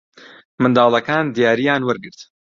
منداڵەکان دیارییان وەرگرت.